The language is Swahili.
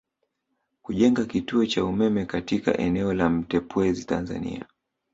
Kujenga kituo cha umeme katika eneo la Mtepwezi Tanzania